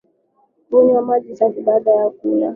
Kunywa maji safi baada ya kula